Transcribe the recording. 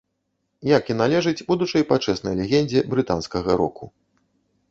Як і належыць будучай пачэснай легендзе брытанскага року.